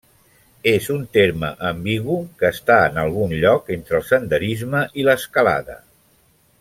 És un terme ambigu que està en algun lloc entre el senderisme i l'escalada.